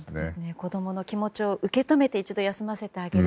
子供の気持ちを受け止めて一度休ませてあげる。